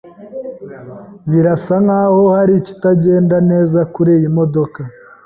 Birasa nkaho hari ikitagenda neza kuriyi modoka.